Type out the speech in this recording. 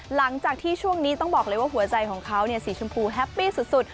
หลังจากที่ช่วงนี้ต้องบอกเลยว่าหัวใจของเขาสีชมพูแฮปปี้สุด